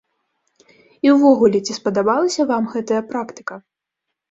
І ўвогуле, ці спадабалася вам гэтая практыка?